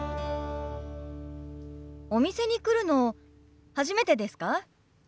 お店に来るの初めてですか？